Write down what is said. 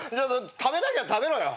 食べたきゃ食べろよ。